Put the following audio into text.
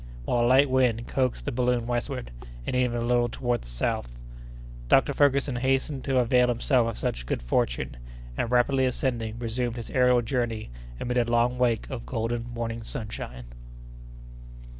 while a light wind coaxed the balloon westward, and even a little toward the south. Dr. Ferguson hastened to avail himself of such good fortune, and rapidly ascending resumed his aërial journey amid a long wake of golden morning sunshine.